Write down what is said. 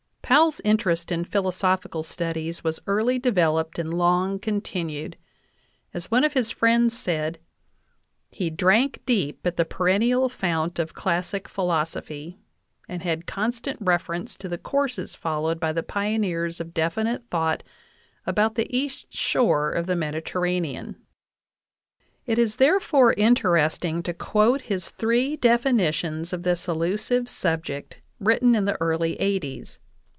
Powell's interest in philosophical studies was early devel oped and long continued; as one of his friends said: "He drank deep at the perennial fount of classic philosophy ... and had constant reference to the courses followed by the pioneers of definite thought about the east shore of the Medi terranean." It is therefore interesting to quote his three defi nitions of this elusive subject written in the early '8o's.